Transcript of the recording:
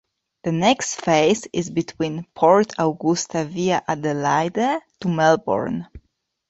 The next phase is between Port Augusta via Adelaide to Melbourne.